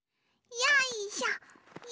よいしょ。